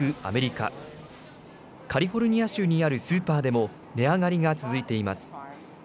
カリフォルニア州にあるスーパーでも値上がりが続いています。